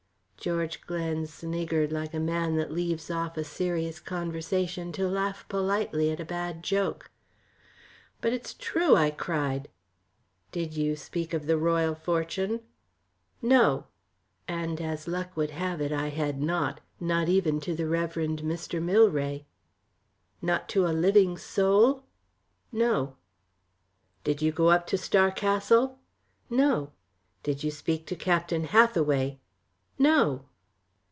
George Glen sniggered like a man that leaves off a serious conversation to laugh politely at a bad joke. "But it's true," I cried. "Did you speak of the Royal Fortune?" "No," and, as luck would have it, I had not not even to the Rev. Mr. Milray. "Not to a living soul?" "No." "Did you go up to Star Castle?" "No." "Did you speak to Captain Hathaway?" "No."